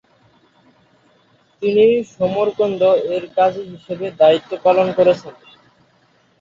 তিনি সমরকন্দ-এর কাজি হিসেবে দায়িত্ব পালন করেছেন।